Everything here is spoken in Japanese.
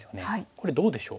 これどうでしょう？